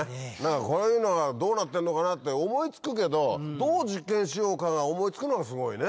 こういうのはどうなってんのかなって思い付くけどどう実験しようかが思い付くのがすごいね。